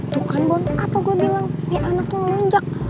tuh kan bon apa gua bilang nih anak tuh ngelunjak